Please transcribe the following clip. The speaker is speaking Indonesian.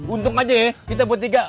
untung aja ya kita buat tiga